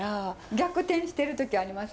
逆転してる時ありますもんね。